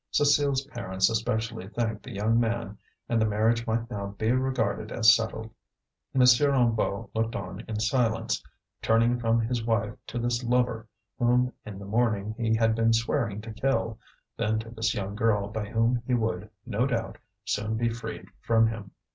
Cécile's parents especially thanked the young man, and the marriage might now be regarded as settled. M. Hennebeau looked on in silence, turning from his wife to this lover whom in the morning he had been swearing to kill, then to this young girl by whom he would, no doubt, soon be freed from him.